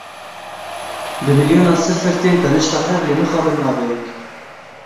Bi milyonan sifir tên tenişta hev lê mixabin nabe yek.